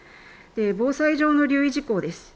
防災上の留意事項です。